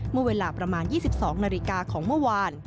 เมื่อเวลาประมาณ๒๒นาฬิกาของเมื่อวาน